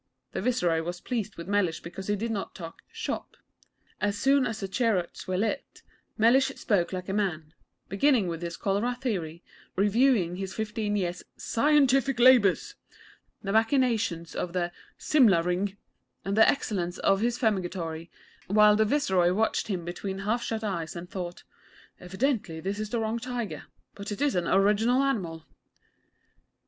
The Viceroy was pleased with Mellish because he did not talk 'shop.' As soon as the cheroots were lit, Mellish spoke like a man; beginning with his cholera theory, reviewing his fifteen years' 'scientific labours,' the machinations of the 'Simla Ring,' and the excellence of his Fumigatory, while the Viceroy watched him between half shut eyes and thought 'Evidently this is the wrong tiger; but it is an original animal.'